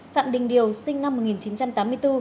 phạm đình điều sinh năm một nghìn chín trăm tám mươi bốn